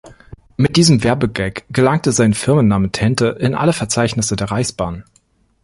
Mit diesem Werbegag gelangte sein Firmenname Tente in alle Verzeichnisse der Reichsbahn.